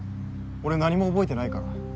俺何も覚えてないから。